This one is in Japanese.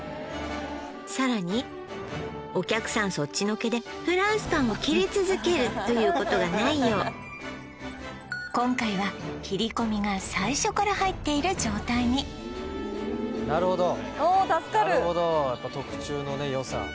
さらにお客さんそっちのけでフランスパンを切り続けるということがないよう今回は切り込みが最初から入っている状態になるほどやっぱ特注のねよさ